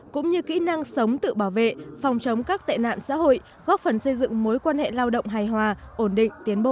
cũng như kỹ năng sống tự bảo vệ phòng chống các tệ nạn xã hội góp phần xây dựng mối quan hệ lao động hài hòa ổn định tiến bộ